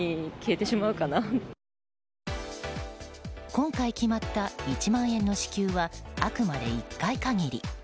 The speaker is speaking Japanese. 今回決まった１万円の支給はあくまで１回限り。